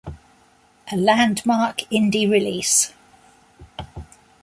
A landmark indie release.